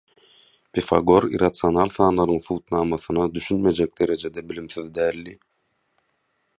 Pifagor irrasional sanlaryň subutnamasyna düşünmejek derejede bilimsiz däldi.